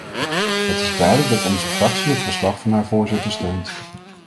Het is duidelijk dat onze fractie het verslag van haar voorzitter steunt.